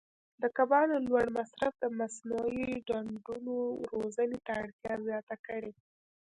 د کبانو لوړ مصرف د مصنوعي ډنډونو روزنې ته اړتیا زیاته کړې.